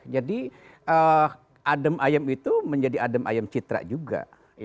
jadi adem ayem itu menjadi adem ayem citra juga